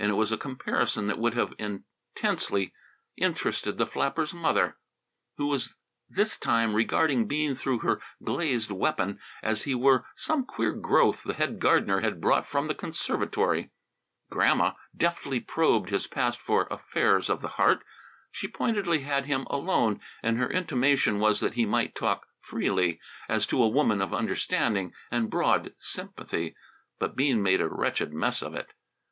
It was a comparison that would have intensely interested the flapper's mother, who was this time regarding Bean through her glazed weapon as if he were some queer growth the head gardener had brought from the conservatory. Grandma deftly probed his past for affairs of the heart. She pointedly had him alone, and her intimation was that he might talk freely, as to a woman of understanding and broad sympathy. But Bean made a wretched mess of it.